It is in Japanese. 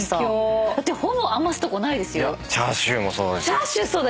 チャーシューそうだ！